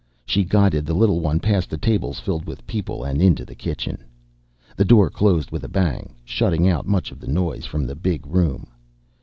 She guided the little one past the tables filled with people and into the kitchen. The door closed with a bang, shutting out much of the noise from the big room.